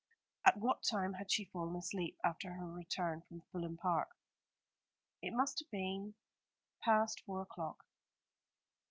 "At what time had she fallen asleep after her return from Fulham Park?" "It must have been past four o'clock."